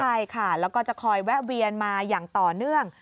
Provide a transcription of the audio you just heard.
ใช่ค่ะแล้วก็จะคอยแวะเวียนมาอย่างต่อเนื่อง